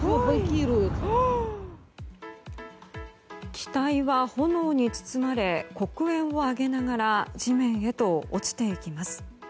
機体は炎に包まれ黒煙を上げながら地面へと落ちていきます。